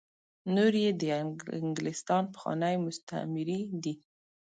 نور یې د انګلستان پخواني مستعميري دي.